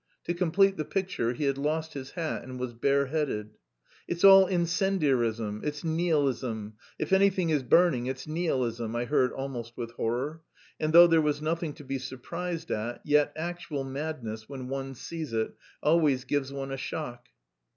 To complete the picture, he had lost his hat and was bareheaded. "It's all incendiarism! It's nihilism! If anything is burning, it's nihilism!" I heard almost with horror; and though there was nothing to be surprised at, yet actual madness, when one sees it, always gives one a shock.